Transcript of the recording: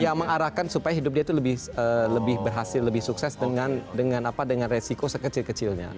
ya mengarahkan supaya hidup dia itu lebih berhasil lebih sukses dengan resiko sekecil kecilnya